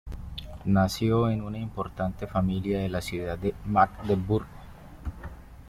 Nació en una importante familia de la ciudad de Magdeburgo.